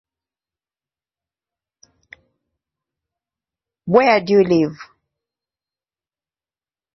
The side wings with its decorative architectural elements on the exterior were entirely preserved.